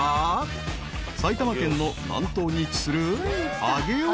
［埼玉県の南東に位置する］